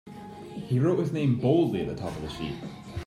He wrote his name boldly at the top of the sheet.